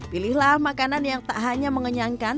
pilihlah makanan yang tak hanya mengenyangkan